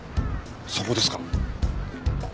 そこですか？